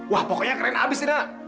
wah pokoknya keren abis tina